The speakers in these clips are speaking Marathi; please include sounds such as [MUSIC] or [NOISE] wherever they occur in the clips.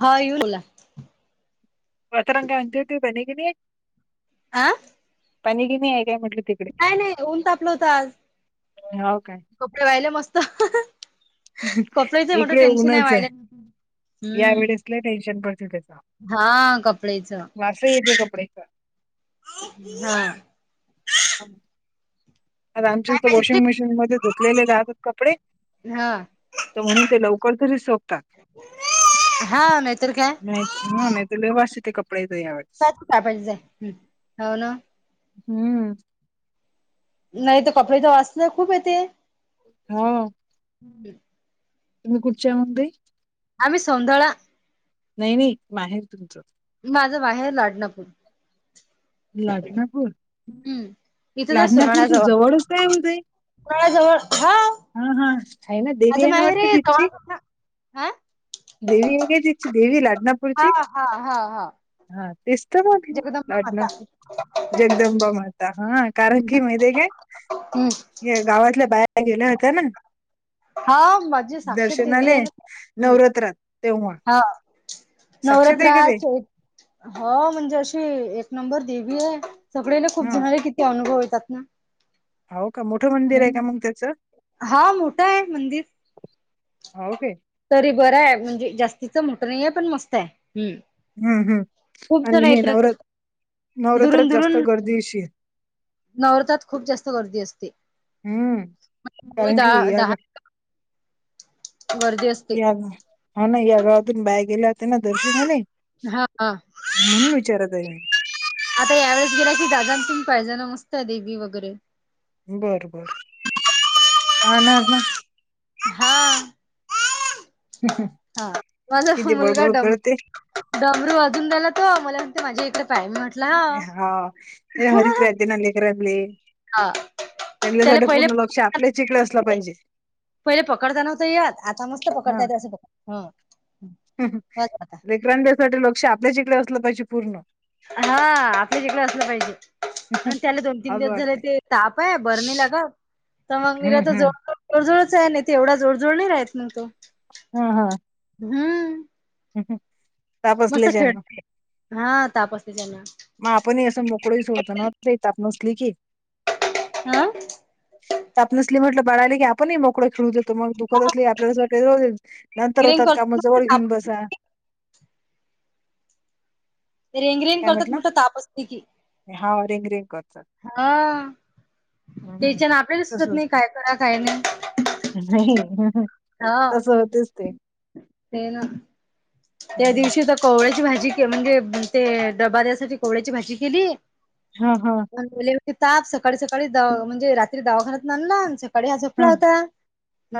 हा येऊ बोला वतरंगचीट बने क नाही? आं? पण गि नाही आहे काय म्हटलं तिकडे नाही नाही ऊन तापलं होत आज हो काय? कपडे वहिले मस्त कपड्याच मोठं इकडे टेन्शन आहे ऊनच वाहिल्या आहे या हम्म वेळेसला टेन्शन पडत त्याच. हा कपडेच हा कपडे हम आ आमचे काय तर पाहिजे वॉशिंग तुले मशीन मध्ये धकलेले राहातात कपडे. हा तर म्हणून ते लवकर तरी सोपतात. हा नाहीतर काय? नाही नाही तु लवाशी ते कपडे येतय वाटत का पायचं आहे हो ना. हम्म नाही तर कपडे तर वास ना खूप येते. हम्म. हकी म कुठची आहे म्हणते? आम्ही सिंधळा नाही नाही हे तुमचं माझं बाहेर लाडनापूर लाडनापूर हम्म इथं तर लाडनापूरच सोनाळ्याजवळ जवळच आहे उदय सोनाळ्याजवळ हा हा हा काय ना माझं देव्याना माहेर वाट आहे जवळ दिची. हा देवी हेेचची देवी लाडना हा हा हा हा. हा तेच तर म्हटलं जगदंबा लाटणं. माता जगदंबा माता हा कारण की माहितीये काय? हम्म हे गावातल्या बाया गेल्या होत्या ना. हा माझी साक्षात देवी दर्शनाले आहे ना नवरात्रात तेव्हा साक्षात आहे का नवरात्राै ते हो म्हणजे अशी एक नंबर देवी आहे. सगळेला खूप हा जणाले किती अनुभव येतात ना हो का मोठं मंदिर आहे का हम्म मग त्याच? हा मोठं आहे मंदिर हो का? तरी बरं आहे म्हणजे जास्तीच मोठं नाहीे पण मस्त आहे हम्म. हम्म हम्म खूप जण आणि हे येत नवरात राहतात नवरात्रात जास्त गर्दीशी आहे. नवरतात खूप जास्त गर्दी असते हम्म मवी कारण की दहा या गा दहा गर्दी असं या गाव होा ना या गावातून बाहेर गेले होते ना दर्शनाले. हा हा म्हणून विचारत आहे मी. आता यावेेळेस गेल्या की दादा तुम पाहिज ना मस्त आहे देवी वगैरे. बर बर हा हा ना हा अहंम हा माझा मुलगा डम डमरू वाजून दला तो मुला माझे इकडे पाय मी म्हटल ना. हा हरिक रादेन एकर्रली. हा त्याला त्यांच्यासाठी पहिले पूर्ण लक्ष आपल्याच इकडे असलं पाहिजे. पहिले पकडता नव्हत यात आता मस्त पकडता येत असं पड विक्रांद्यासाठी लोकश आपल्याच इकडे असलं पाहिजे पूर्ण हा आपल्या जकड असलं पाहिजे आणि त्याला दोन तीन असं दिवस झाले वाटतंय ते. ताप आहे बरणी लागत तर मग मला हम्म तर हम्म जोड जोडजोडच आहे नाही ते एवढा जोडजोड नाही राहत मग तो. हा हा हम्म. ह हं मस्त खेळते हा ताप असते त्यांना. मग आपण हे असं मोकळंही सोडतो ना ते नसली की. हा आपणसले म्हटलं बाळाले की आपणही मोकळे खेळू द तर मग दुःखत असली की आपल्याला कस [UNINTELLIGIBLE] नंतर रिंग होतात काम करतात मग जवळ घेऊन ताप बसा. रेंग रेंग करतात म्हटलं तापसते की. हा रेंग रेंग करचात. हा तेच्यान आपल्याला सुचत तसच नाही काय करा काय नाही. नाही हा तस होतेच ते ते ना त्या दिवशी तर कोहळ्याची भाजी के म्हणजे ते डबा द्यायसाठी कोहळ्याची भाजी केली. हा हा. वेले वळी ताप सकाळी सकाळी द म्हणे र्री दावाखान्यात आणला आमच्यात. कडे हा झपला होता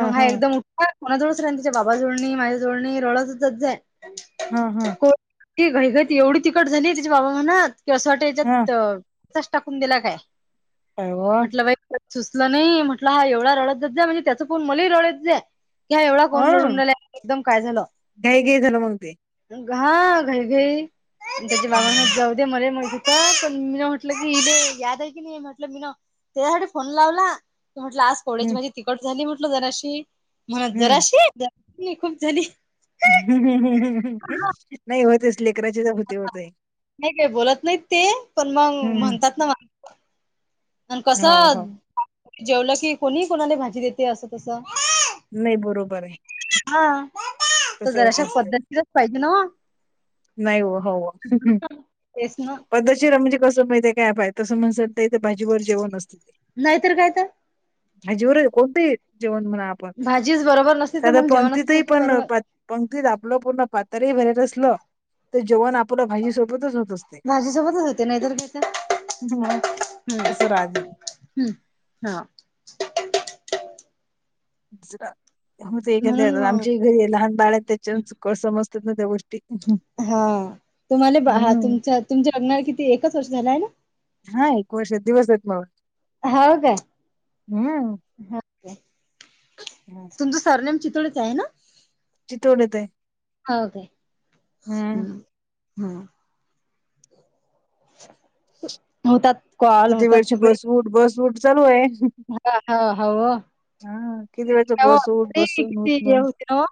मग हा एकदम कोणाजवळच राहित नाही तिच्या बाबा जवळ‌ नाही, माझ्या जवळ नाही रडतच जात जाय. हा हा ठीक हक त एवढी तिखट झाली त्याच्या बाबा म्हनात कि असं वाटत हा याच्यात. टाकून दिला काय काय व म्हटलं बाई. सुचलं नाही. म्हटलं हा एवढा रडतच जा म्हणजे त्याचा पाहून मलाही रडत जाय. कि हा एवढा कोण हा रडून राहिला एकदम काय झालं. घाई घाई झालं मग ते घा घई घई त्याच्या बाबा म्हणे हम्म जाऊ ते मले म्हणत होता, पण मी तिला म्हटले की हिले याद आहे की नाही. मी म्हटलं मी न त्याच्यासाठी फोन लावला. तर म्हंटल‌ आज कोड्याची हम्म माझी तिकट झाली म्हटलं जराशी म्हणत हम्म. जराशी ज खूप झाली. ह नाही होतेच लेकराची जबाब नाही काय बोलत नाहीत ते पण मग हम्म म्हणतात ना. आणि हो कसं हो जेवलं कि कोणीही कोणाले भाजी देते असं तसं नाही बरोबर आहे. हा तर तसं जर होत अशा असते पद्धतीतच पाहिजे ना. नाही हो हो तेच ना पद्धशरा म्हणजे कसं माहितीे काय पा तसं म्हण ते भाजीवर जेवण असते ते नाहीतर काय तर भाजीवर कोणतेही जेवण म्हणा भाजीच बरोबर नसते तर साधं मग जेवणच पंक्तीतही नाहीत ना पण बरोबर पणतीत आपलं पूर्ण पातर भरल असल. ते जवान आपल्याला भाजीसोबतच होत अस माझ्या सोबतच होते नाहीतर काय तर मग हम्म तसं राहते हम्म. हा. जरा हो ते एखाद्या म्हणून अ, आमची हि घरी लहान बाळ आहेत त्यांचच कसं समजतात ना त्या गोष्टी. हा. तुम्हाला हा हम्म तुम-तुमच्या लग्नाला किती एकच वर्ष झालं हाय ना? हा एक वर्ष दिवस आहेत मग. हाव काय हम्म हाव काय? हम्म तुमं सरनेम चितळेच आहे ना? चथोडेत आहे. होय काय? हम्म हम्म. [INAUDIBLE] हो त्यात क किती वेळची बस उठ बस उठ चालू ये. हा हा हवं. हा किती वेळेच बसून बसून किती हे उठनं. होते ना ओ.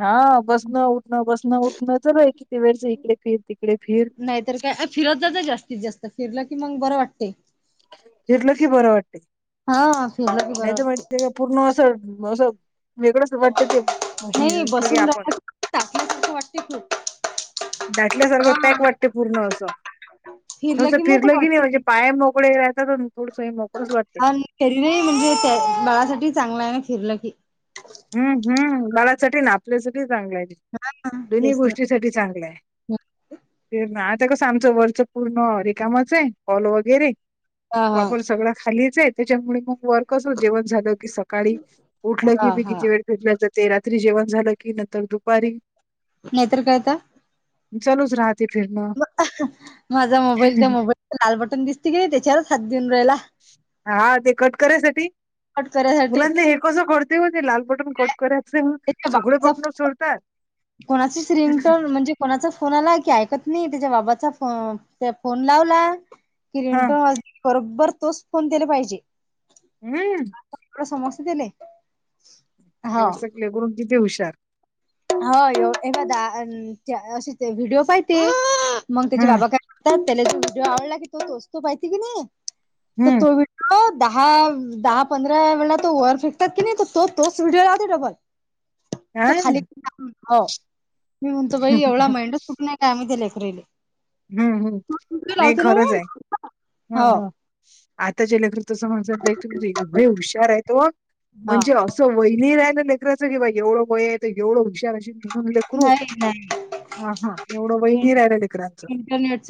हा बसणं उठणं बसणं उठणं चालू हाय किती वेळच इकडे फिर तिकडे फिर. तर काय फिरत जात जास्तीत जास्त, फिरलं की मग बरं वाटते. चिरलं की बरं वाटते, हा फिरलं की बरं नाही तर वाटते. माहि पूर्ण असं असं. वेगळंच वाटत ते हे, असलं की आपण. तापल्यासारखं वाटते तू. दाटल्यासारखं पॅक वाटते पूर्ण असं. फिरलं थोडसं फिरलय मोकळ की नाही, म्हणजे वाटते. पाया मोकळे राहत‌ थोडंसं मोकळच वाटत. तरी नाही म्हणजे, त्या बाळासाठी चांगलंय ना फिरलं की. हम् हम्. बाळासाठी ना आपल्यासाठी चांगलं आहे. ते हा हा दोन्ही तेच ना. गोष्टीसाठी चांगलं आहे. ये नाय आत्ता कसं आमचं, वरचं पूर्ण रिकामच आहे हॉल वगैरे. हा हा वापर सगळा खालीच आहे, त्याच्यामुळे मग वर कस जेवण झालं की स सकाळी उठलं की हा बी हा किती, वेळ ते रात्री जेवण झालं की नंतर दुपारी. नाही तर काय आता. मग चालूच राहते. फिरणं माझा मोबाईल त्या मोबाईलच लाल बटन दिसते की नाही त्याच्यावरच हात देऊन राहिला. हा ते कट करायसाठी, कट करायसाठी मुलांना हे कसं कळत. तेव ते लाल बटन कट करायच, त्याच्या सगळे बाबाचा बटन सोडतात. कोणाचीच रिंगटोन म्हणजे, कोणाचा फोन आला की, ऐकत नाही त्याच्या बाबाचा फोन, फोन लावला. कि हा रिंगटोन वाजली की, बरोबर तोच फोन तेला पाहिजे. हम्म. र समस्त तिले. एवढ सकले करून किती हुशार. ह एदा अस व्हिडिओ पाहिते, मग त्यांचे हं, बाबा काय. त्याला आवडला की तो तोस्तो पाहितीे की नाही तर हं. तो. हो दहा दहा पंधरा वेळा तो वर फेकतात की नाही तो तोच व्हिडिओ लाहते डबल. तो काय खाली ना. हो. मी म्हणतो बाई एवढा मेंडच कुठून नाही काय आम्ही ते लेकरा हिले. हम्म हम्म नाही खरंच आहे हो हम्म हम्म. आत्ताचे लेकरं तसं म्हणजे, एवढे हुशार आहेत व हा म्हणजे असं. वहिनी राहिलं लेकराचं कि बा, एवढं वय आहे तर एवढं हुशार अशील. तुझं न लेकरू नाही नाही हा हा.. एवढं वय नाही राहिलं लेकरांचं.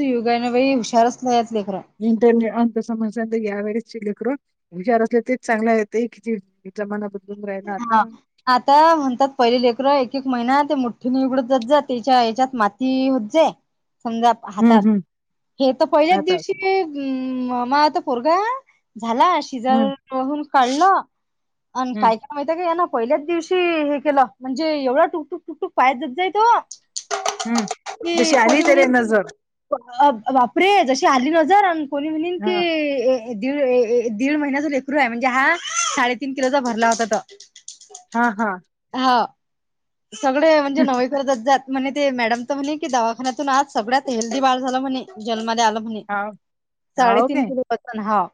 युगांन बाई हुशारच लै लेकर. इंटरनेट अंत समज यावेेळेस शि लेकर विचार असले तेच चांगल येत किती. तिच्या मना बदलून राहि ना हा आता. आता म्हणतात पहिले लेकरं एक एक महिना ते, मुठठीे उघडत जात जाते त्याच्या हेच्यात माती होत जाई. समजा हं, हातात, हं. हे तर पहिल्याच आता दिवशी. म... मा आता, पोरगा झालासं. हं, शिजहून काढलं आणि हं, काय माहित का या ना पहिल्याच दिवशी हे केलं, म्हणजे एवढं टुकटुक टुकटूक पायाज जाय तो. हं. कि जशी आली कोणी तेरे नजर. [UNINTELLIGIBLE] बापरे जशी आली नजर, आणि कोणी म्हनील हां, की. दीड ऐ दीड महिन्याच लेकरू आहे म्हणजे हा साडेतीन किलोचा भरला होता तो हा हा. हाव सगळे म्हणजे नवे करतच जात. म्हणे ते मॅडम तर म्हणे की, दवाखान्यातून आज सगळ्यात हेल्दी बाळ झालं म्हणे जलमाला आलं. म्हणे. म्हणे हां, हो साडेतीन काय? किलो. पण हाव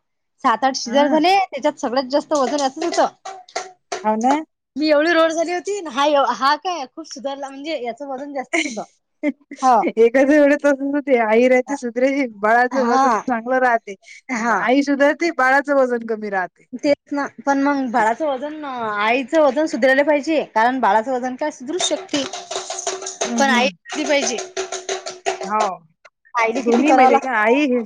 सात आठ शिजार हां. झाले, त्यांच्यात सगळ्यात जास्त वजन याचाच होतं. हो ना मी एवढी रोड झाली होती, हा हा काय खूप सुधारला म्हणजे याचं वजन‌ जास्त. एकाच वेळेत अस ते आईर ते सुध्रे बाळाचं वजन हा चांगलं राहते मग हा आई सुद्धा. ते बाळाचं वजन कमी राहते. तेच ना पण मग बाळाचं वजन आईचं वजन सुधारायला पाहिजे कारण बाळाचं वजन. तस दुरुस्त शक्ती. [INAUDIBLE] पण ऐकली पाहिजी. हो, दोन्ही माहिती का लागतं आई हे.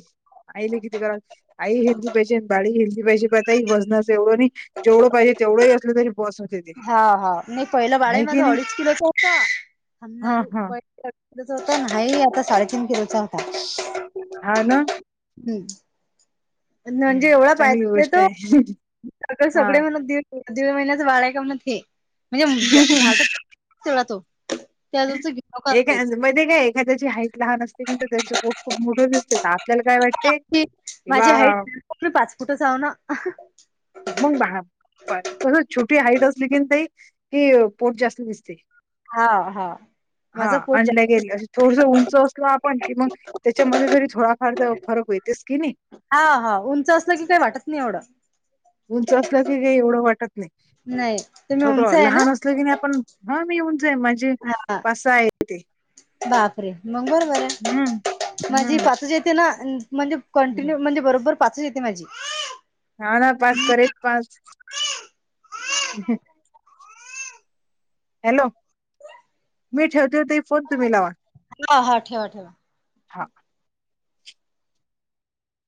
आईले किती करा आई हेिंदी पाहिजे बाडी हिंदी पाहिजे पताई वजनाचं एवढं आणि जेवढं पाहिजे. तेवढं ही असलं तरी बास आहे. हा हा नाही पहिलं बाळही की माझा नाही. अडीच किलोचा होता, हा जाळी हा. पॉल पण होता आता नाही साडेतीन किलोचा होता. हा ना हम्म. म्हणजे हम्म. एवढा चांगली पाहि गोष्ट तो आहे अग सगळे हा. म्हणत दे दीड महिन्याचं बाळ आहे का म्हण ते, म्हणजे जा तेवढा तो त्या [UNINTELLIGIBLE] काहीच. ते काय एखाद्याची हाईट लहान असते, तिथं त्यांचं पोट खूप मोठं दिसतं त्यात. माझी हाईट पाच फूट हाव ना. मग बा छोटी हाईट असली की नाही ताई की पोट जास्त दिसते. हा हा. हा माझं पोट आणल्या जास्त गेले अस थोडस उंच असलो आपण की मग. त्याच्यामध्ये जरी थोडाफार तर फरक व्हयतेस की नाही. हा हा उंच असलं की काही वाटत नाही एवढं. उंच असलं की काही एवढं वाटत नाही, नाही तुम्ही छोट उंच आहे ना लहान असलं की नाही आपण हा मी येवून जाईन माझे हा पा सा आहेत. बापरे! मग बरोबर आहे, हम्म माझी हम्म पाचच येते ना अन म्हणजे कंटिन्यू हम्म. म्हणजे बरोबर पाचच येते माझी. हा ना पाच करेक पाच. हॅलो मी ठेवते ताई फोन तुम्ही लावा. ह हा ठेवा ठेवा. हा.